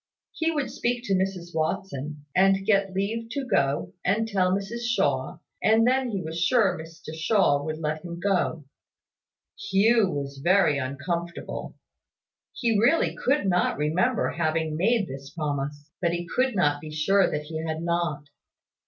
He would speak to Mrs Watson, and get leave to go and tell Mrs Shaw, and then he was sure Mr Shaw would let him go. Hugh was very uncomfortable. He really could not remember having made this promise: but he could not be sure that he had not.